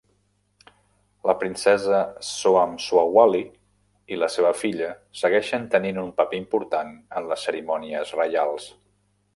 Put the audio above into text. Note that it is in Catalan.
La princesa Soamsawali i la seva filla segueixen tenint un paper important en les cerimònies reials.